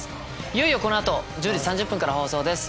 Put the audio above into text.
いよいよこの後１０時３０分から放送です。